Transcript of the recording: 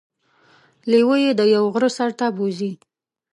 لیوه يې د یوه غره سر ته بوځي.